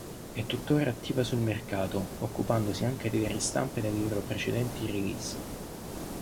È tuttora attiva sul mercato, occupandosi anche delle ristampe delle loro precedenti release.